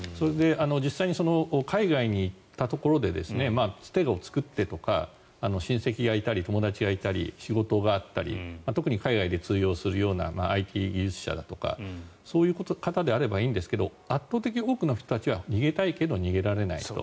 実際に海外に行ったところでつてを作ってとか親戚がいたり友達がいたり仕事があったり特に海外で通用するようなＩＴ技術者だったりとかそういう方であればいいんですけど圧倒的多くの人たちは逃げたいけど逃げられない人。